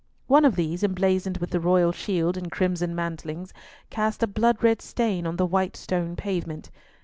One of these, emblazoned with the royal shield in crimson mantlings, cast a blood red stain on the white stone pavement.